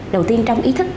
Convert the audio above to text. đầu tiên trong ý thức